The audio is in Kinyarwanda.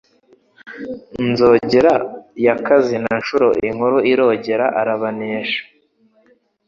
Nzogera ya Kazina-nshuro Inkuru irogera arabanesha.